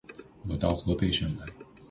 我到河北省来